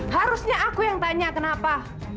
harusnya aku yang tanya kenapa